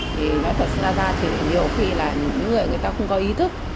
thì nói thật ra thì nhiều khi là những người người ta không có ý thức